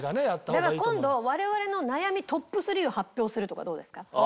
今度我々の悩みトップ３を発表するとかどうですか？